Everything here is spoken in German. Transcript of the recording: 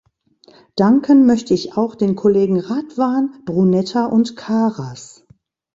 Danken möchte ich auch den Kollegen Radwan, Brunetta und Karas.